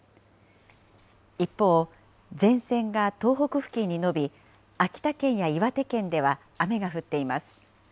一方、前線が東北付近に延び、秋田県や岩手県では雨が降っています。